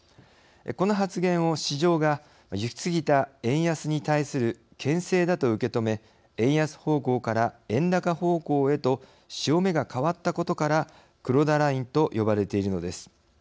この発言を市場が、行き過ぎた円安に対するけん制だと受け止め円安方向から円高方向へと潮目が変わったことから黒田ラインと呼ばれているのです。